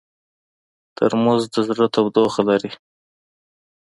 ترموز د زړه تودوخه لري.